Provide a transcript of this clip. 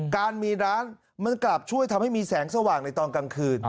การมีร้านมันกลับช่วยทำให้มีแสงสว่างในตอนกลางคืน